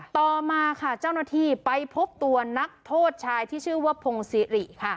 ต่อมาค่ะเจ้าหน้าที่ไปพบตัวนักโทษชายที่ชื่อว่าพงศิริค่ะ